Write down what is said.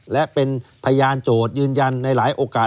และเป็นพยานโจทย์ยืนยันในหลายโอกาส